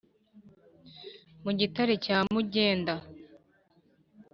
mu gitare cya mugenda,